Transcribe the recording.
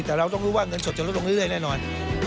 แต่เราต้องรู้ว่าเงินสดจะลดลงเรื่อยแน่นอน